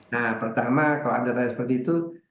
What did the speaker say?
nah pertama kalau anda tanya seperti itu